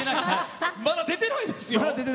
まだ出てないんですよ。